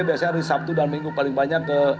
biasanya hari sabtu dan minggu paling banyak ke